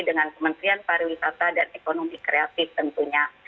dengan kementerian pariwisata dan ekonomi kreatif tentunya